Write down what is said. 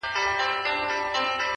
راته شله دی، وای گيتا سره خبرې وکړه,